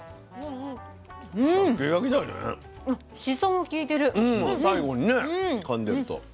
うん最後にねかんでると。